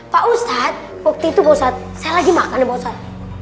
pak ustadz waktu itu pak ustadz saya lagi makan ya pak ustadz